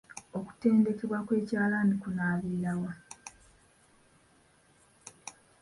Okutendekebwa kw'ekyalani kunaabeerawa?